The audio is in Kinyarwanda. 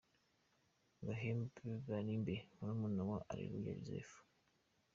Gahemba Bernabe murumuna wa Areruya Joseph .